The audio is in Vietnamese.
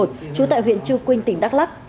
trú tại huyện chu quynh tỉnh đắk lắc